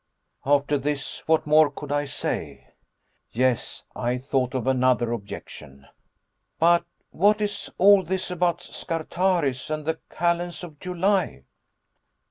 After this what more could I say? Yes, I thought of another objection. "But what is all this about Scartaris and the kalends of July